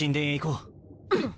うん！